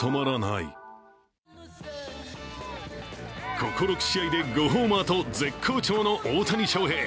ここ６試合で５ホーマーと絶好調の大谷翔平。